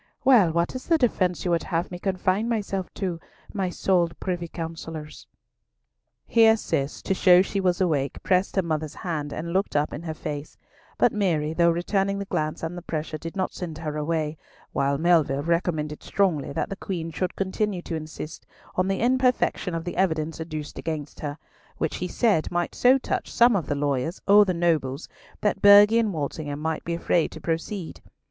"Well, what is the defence you would have me confine myself to, my sole privy counsellors?" Here Cis, to show she was awake, pressed her mother's hand and looked up in her face, but Mary, though returning the glance and the pressure, did not send her away, while Melville recommended strongly that the Queen should continue to insist on the imperfection of the evidence adduced against her, which he said might so touch some of the lawyers, or the nobles, that Burghley and Walsingham might be afraid to proceed.